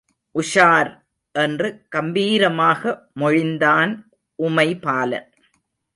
உஷார்! என்று கம்பீரமாக மொழிந்தான் உமைபாலன்.